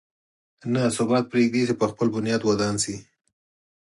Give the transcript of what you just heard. نه ثبات پرېږدي چې پر خپل بنیاد ودان شي.